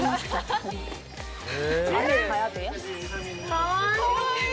かわいい！